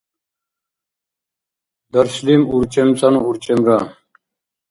даршлим урчӀемцӀанну урчӀемра